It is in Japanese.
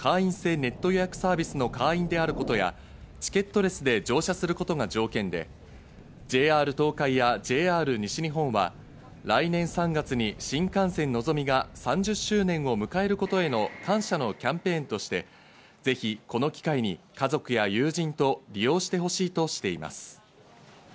ネット予約サービスの会員であることやチケットレスで乗車することが条件で、ＪＲ東海やＪＲ西日本は来年３月に新幹線のぞみが３０周年を迎えることへの感謝のキャンペーンとして、ぜひこの機会に家族や友人と利用してほしいとしています。